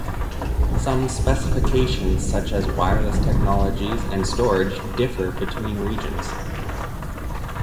Some specifications such as wireless technologies and storage differ between regions.